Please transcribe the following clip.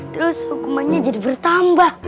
terus hukumannya jadi bertambah